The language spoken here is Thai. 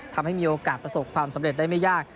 ทำให้มีโอกาสประสบความสำเร็จได้ไม่ยาก